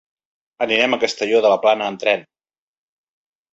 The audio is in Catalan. Anirem a Castelló de la Plana amb tren.